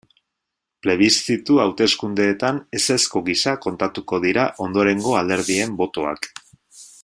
Plebiszitu hauteskundeetan ezezko gisa kontatuko dira ondorengo alderdien botoak.